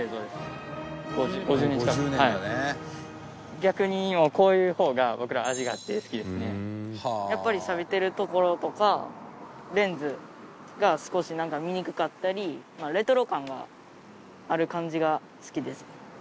逆にもうこういう方が僕らやっぱり錆びてるところとかレンズが少し見にくかったりレトロ感がある感じが好きです。